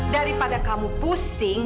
daripada kamu pusing